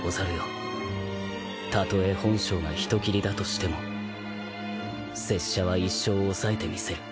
たとえ本性が人斬りだとしても拙者は一生抑えてみせる